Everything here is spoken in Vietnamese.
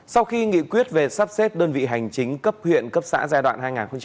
sau khi nghị quyết về sắp xếp đơn vị hành chính cấp huyện cấp xã giai đoạn hai nghìn hai mươi ba hai nghìn ba mươi